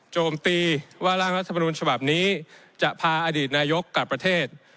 โจมตีว่าร่างรัฐมนุนฉบับนี้จะพาอดีตนายกกลับประเทศ